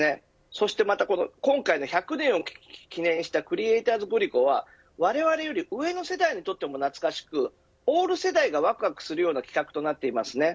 そして今回の１００年を記念したクリエイターズグリコは我々より上の世代にとっても懐かしくオール世代がわくわくするような企画となっています。